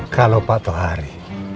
kalau patuh hari